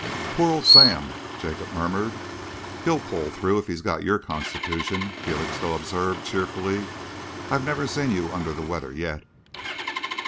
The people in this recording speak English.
"Poor old Sam!" Jacob murmured. "He'll pull through, if he's got your constitution," Felixstowe observed cheerfully. "I've never seen you under the weather yet."